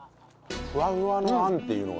ふわふわのあんっていうのがさ